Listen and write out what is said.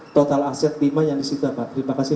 total aset lima yang disita pak terima kasih